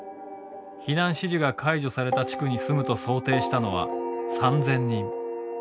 避難指示が解除された地区に住むと想定したのは３，０００人。